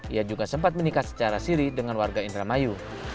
ia juga sempat menikah secara siri dengan warga indramayu